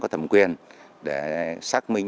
có thẩm quyền để xác minh